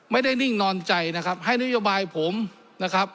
นิ่งนอนใจนะครับให้นโยบายผมนะครับ